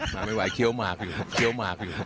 มาไม่ไหวเคี้ยวมากอยู่